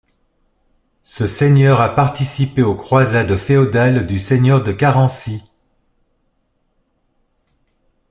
Ce seigneur a participé aux croisades féodales du seigneur de Carency.